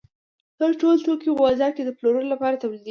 دا ټول توکي په بازار کې د پلورلو لپاره تولیدېږي